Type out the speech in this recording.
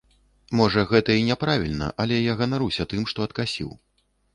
Можа, гэта і няправільна, але я ганаруся тым, што адкасіў.